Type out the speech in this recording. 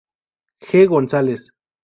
G. González.